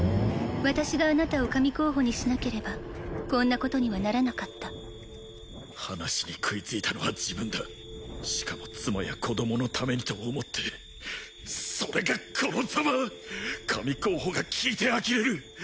私があなたを神候補にしなければこんなことにはならなかった話に食いついたのは自分だしかも妻や子供のためにと思ってそれがこのザマ神候補が聞いてあきれる